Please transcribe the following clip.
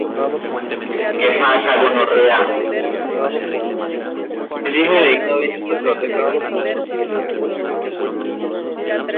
Es hijo de Higinio Vilches Pescador el cual fue futbolista profesional.